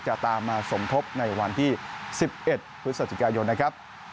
จะตามมาสมทบในวันที่๑๑พฤศจิกายนนะครับ